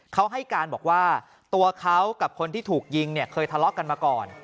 เขาให้การบอกว่าตัวเขากับคนที่ถูกยิงเนี่ยเคยทะเลาะกันมาก่อน